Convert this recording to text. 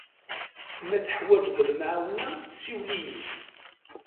Ma teḥwaǧeḍ lemɛawna, siwel-iyi-d.